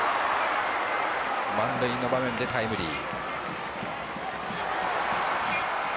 満塁の場面でタイムリー。